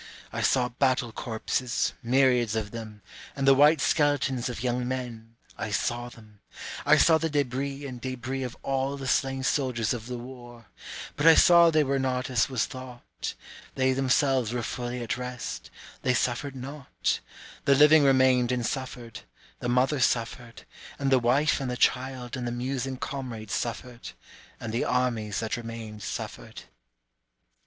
I saw battle corpses, myriads of them, And the white skeletons of young men, I saw them; I saw the debris and debris of all the slain soldiers of the war, But I saw they were not as was thought, They themselves were fully at rest, they suffered not: The living remained and suffered, the mother suffered, And the wife and the child and the musing comrade suffered, And the armies that remained suffered.